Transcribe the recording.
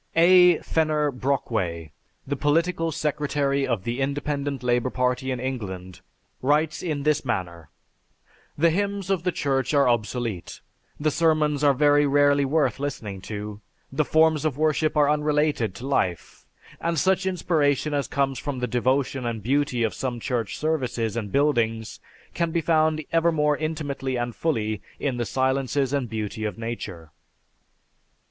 A. Fenner Brockway, the political secretary of the Independent Labor Party in England, writes in this manner: "The hymns of the Church are obsolete; the sermons are very rarely worth listening to; the forms of worship are unrelated to life; and such inspiration as comes from the devotion and beauty of some church services and buildings can be found ever more intimately and fully in the silences and beauty of nature."